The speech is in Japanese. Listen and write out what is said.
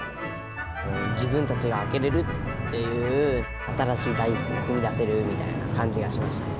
自分たちが開けれるっていう、新しい第一歩を踏み出せるみたいな感じがしました。